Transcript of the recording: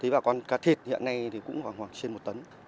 bà con cá thịt hiện nay cũng khoảng trên một tấn